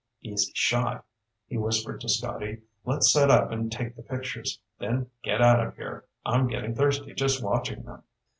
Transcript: "Easy shot," he whispered to Scotty. "Let's set up and take the pictures, then get out of here. I'm getting thirsty just watching them."